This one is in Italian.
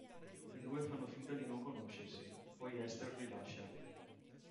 I due fanno finta di non conoscersi, poi Esther li lascia.